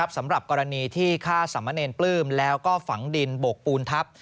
สำหรับกรณีที่ฆ่าสามเณรปลื้มแล้วก็ฝังดินโบกปูนทัพ